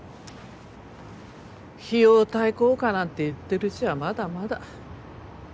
費用対効果なんて言ってるうちはまだまだ。